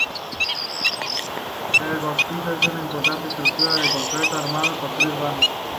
El viaducto es una imponente estructura de concreto armado, con tres vanos.